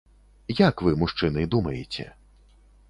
Як вы, мужчыны, думаеце?